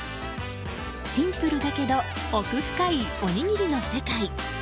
シンプルだけど奥深いおにぎりの世界。